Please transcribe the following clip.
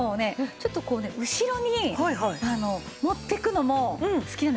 ちょっとこうね後ろに持っていくのも好きなんですよ。